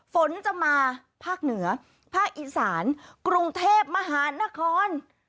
ฝนจะมาภาคเหนือภาคอีสานกรุงเทพมหานคร